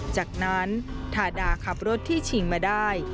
จากนั้นทาดาขับรถที่ชิงมาได้